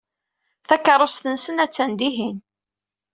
Takeṛṛust-nsen attan dihin.